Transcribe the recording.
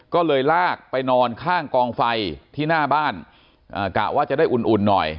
ก็เลยลากไปนอนข้างกองไฟที่หน้าบ้านกะว่าจะได้อุ่นอุ่นหน่อย